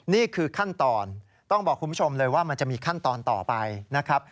นี่คือขั้นตอนต้องบอกคุณผู้ชมเลยว่ามันจะมีขั้นตอนต่อไปนะครับ